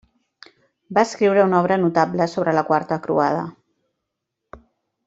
Va escriure una obra notable sobre la quarta Croada.